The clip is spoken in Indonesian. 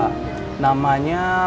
bapak bisa menggunakan toiletnya pak